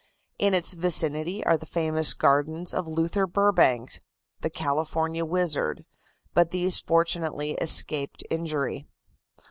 In its vicinity are the famous gardens of Luther Burbank, the "California wizard," but these fortunately escaped injury.